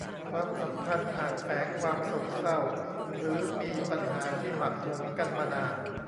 ความสัมพันธ์อาจแฝงความโศกเศร้าหรือมีปัญหาที่หมักหมมกันมานาน